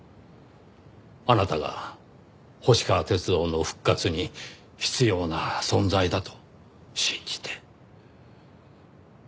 あなたが星川鐵道の復活に必要な存在だと信じて。